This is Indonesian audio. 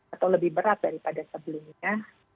atau lebih berat daripada sebelumnya